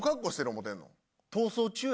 逃走中や。